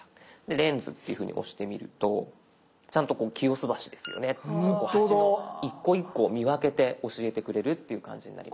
「レンズ」っていうふうに押してみるとちゃんとこう清洲橋ですよねって橋の一個一個を見分けて教えてくれるっていう感じになります。